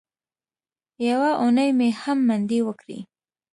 یوه اونۍ مې هم منډې وکړې.